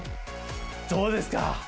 どうですか？